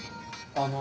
あの。